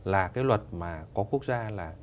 là cái luật mà có quốc gia